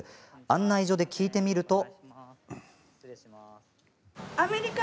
案内所で聞いてみると。